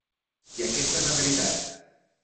I aquesta és la veritat.